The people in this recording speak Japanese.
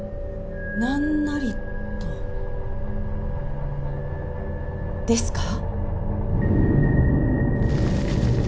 何なりとですか？